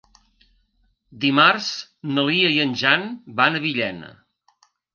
Dimarts na Lia i en Jan van a Villena.